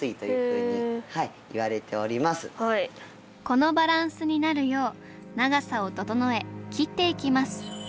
このバランスになるよう長さを整え切っていきます。